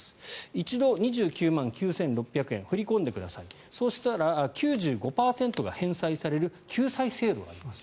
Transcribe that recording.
一度、２９万９６００円振り込んでくださいそしたら、９５％が返済される救済制度があります。